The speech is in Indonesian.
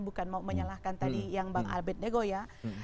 bukan mau menyalahkan tadi yang bang albert nego ya